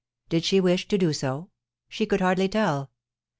Did she wish to do so ? She could hardly tell.